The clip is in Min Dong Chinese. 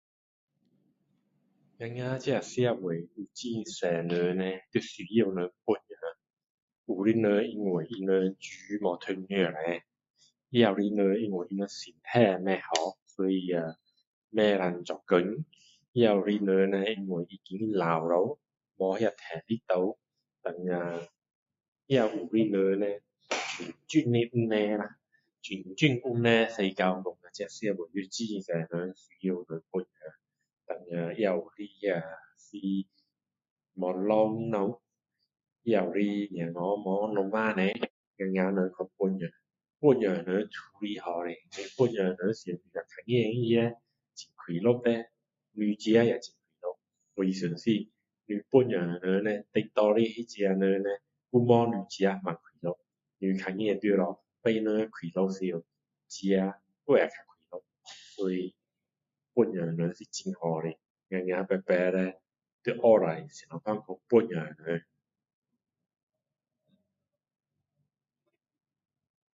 我们这社会有很多人叻要需要人帮助有些人因为他们书没读那么多也有些人因为他们身体不好所以啊不能做工有些人叻因为已经老了没那些体力了然后啊也有些人叻种种问题啦种种问题使到我们这社会很多人需要人帮助然后啊也有的是没老公了也有的孩子没父母我们人去帮助帮助人都是好的会帮助若看见他叻很快乐叻你自己也很快乐我相信你帮助人叻得到的那个人叻还没你自己那么快乐你看见到了别人快乐时自己更快乐所以帮助人是很好的我们每个人叻要学下怎么样去帮助人